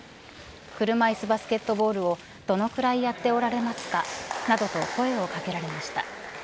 車いすバスケットボールをどのくらいやっておられますかなどと声をかけられました。